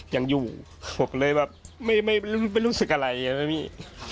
ยังอยู่บอกเลยแบบไม่ไม่ไม่รู้สึกอะไรไม่มี